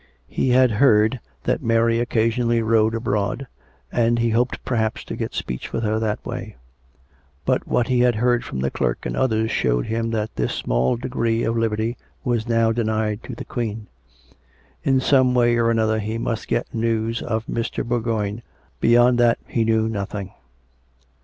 He had heard that Mary occasionally rode abroad, and he hoped perhaps to get speech with her that way; but what he had heard from the clerk and others showed him that this small degree of liberty was now denied to the Queen. In some way or another he must get news of Mr. Bourgoign. Beyond that he knew nothing.